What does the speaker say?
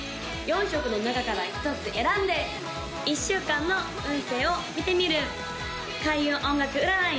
４色の中から１つ選んで１週間の運勢を見てみる開運音楽占い